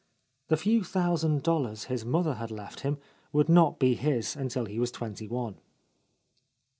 The few thousand dollars his mother had left him would not be his until he was twenty one.